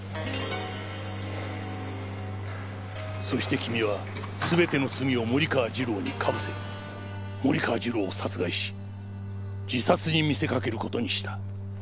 そして君は全ての罪を森川次郎にかぶせ森川次郎を殺害し自殺に見せかける事にした。